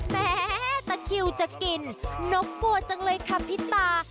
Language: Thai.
แม่ตะคิวจะกินนกกลัวจังเลยค่ะพี่ตา